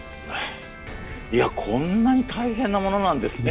こんなに大変なものなんですね。